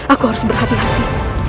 aku harus berhati hati